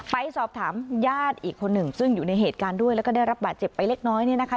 ไปสอบถามญาติอีกคนหนึ่งซึ่งอยู่ในเหตุการณ์ด้วยแล้วก็ได้รับบาดเจ็บไปเล็กน้อยเนี่ยนะคะ